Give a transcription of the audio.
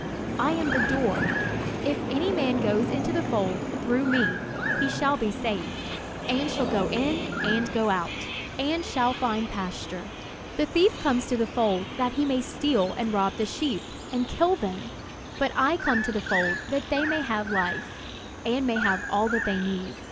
I am the door; if any man goes into the fold through me, he shall be saved, and shall go in and go out, and shall find pasture. "The thief comes to the fold that he may steal and rob the sheep, and kill them; but I came to the fold that they may have life, and may have all that they need.